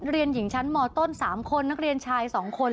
เรียนหญิงชั้นมต้น๓คนนักเรียนชาย๒คน